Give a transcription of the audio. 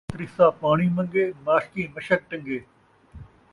ترسا پاݨی منگے، ماشکی مشک ٹنگے